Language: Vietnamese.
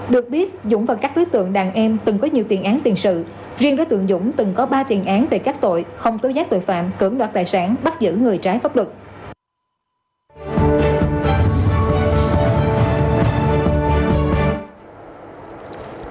được biết dũng và các đối tượng đàn em từng có nhiều tiền án tiền sự riêng đối tượng dũng từng có ba tiền án về các tội không tố giác tội phạm cưỡng đoạt tài sản bắt giữ người trái pháp luật